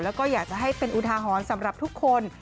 แล้วก็อยากจะให้เป็นอุทาหรณ์สำหรับทุกคน